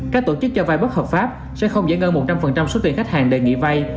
các tổ chức cho vay bất hợp pháp sẽ không giải ngân một trăm linh số tiền khách hàng đề nghị vay